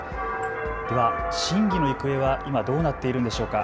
では審議の行方は今、どうなっているんでしょうか。